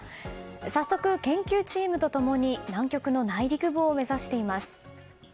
早速、研究チームと共に南極の内陸部を目指しています。